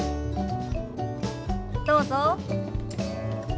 どうぞ。